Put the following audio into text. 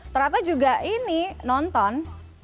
ternyata juga ini nonton